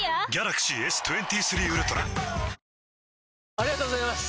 ありがとうございます！